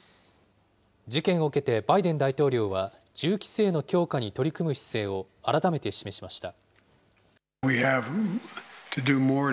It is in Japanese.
事件を受けてバイデン大統領は銃規制の強化に取り組む姿勢を改めて示しました。